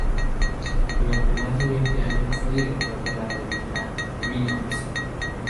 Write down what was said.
Durante más de veinte años fue director de la revista "Minos.